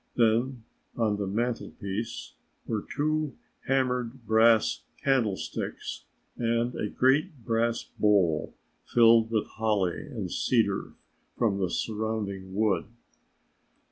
Then on the mantelpiece were two hammered brass candlesticks and a great brass bowl filled with holly and cedar from the surrounding wood.